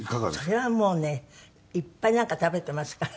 それはもうねいっぱいなんか食べていますからね。